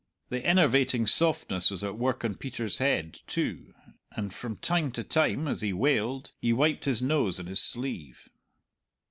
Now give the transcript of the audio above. The enervating softness was at work on Peter's head, too, and from time to time, as he waled, he wiped his nose on his sleeve.